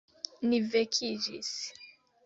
Ni vekiĝis.